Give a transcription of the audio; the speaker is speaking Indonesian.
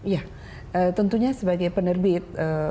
ya tentunya sebagai penerbit